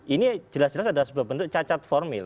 ini jelas jelas adalah sebuah bentuk cacat formil